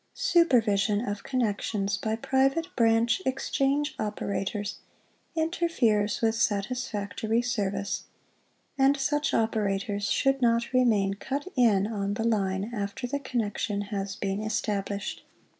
Supervision of connections by Private Branch Exchange Operators interferes with satisfactory service, and such operators should not remain "cut in" on the line after the connection has been established.